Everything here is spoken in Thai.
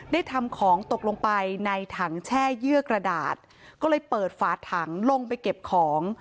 ได้ทำของตกลงไปในถังแช่เยื่อกระดาษก็เลยเปิดฝาถังลงไปเก็บของ